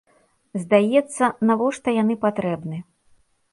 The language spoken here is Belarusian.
Здаецца, навошта яны патрэбны?